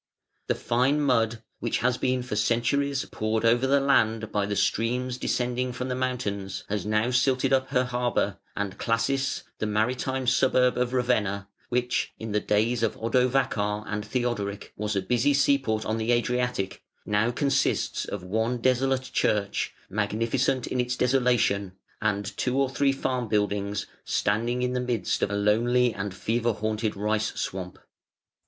The fine mud, which has been for centuries poured over the land by the streams descending from the mountains, has now silted up her harbour, and Classis, the maritime suburb of Ravenna, which, in the days of Odovacar and Theodoric, was a busy sea port on the Adriatic, now consists of one desolate church magnificent in its desolation and two or three farm buildings standing in the midst of a lonely and fever haunted rice swamp.